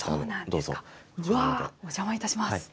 うわあ、お邪魔いたします。